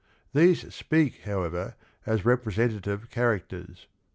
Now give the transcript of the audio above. These speak, however, as representa tive characters.